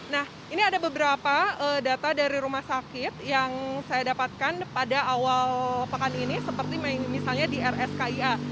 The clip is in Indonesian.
nah ini ada beberapa data dari rumah sakit yang saya dapatkan pada awal pekan ini seperti misalnya di rskia